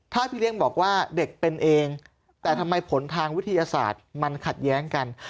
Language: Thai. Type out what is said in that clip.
ถ้าพี่เลี้ยงบอกว่าเด็กเป็นเองแต่ทำไมผลทางวิทยาศาสตร์มันขัดแย้งกัน